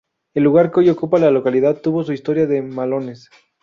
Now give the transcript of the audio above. El lugar que hoy ocupa la localidad tuvo su historia de malones.